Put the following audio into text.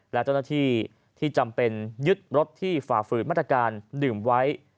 และเจ้าหน้าที่ที่จำเป็นยึดรถที่ฝ่าฝืนมาตรการดื่มไว้